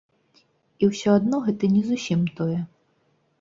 І ўсё адно гэта не зусім тое.